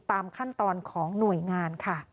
ตามขั้นตอนของหน่วยงานค่ะ